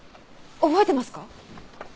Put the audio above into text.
覚えてますか？